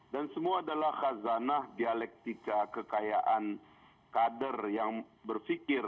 dan semua adalah khazanah dialektika kekayaan kader yang bersikir